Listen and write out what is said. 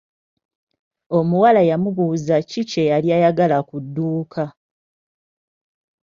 Omuwala yamubuuza ki kye yali ayagala ku dduuka.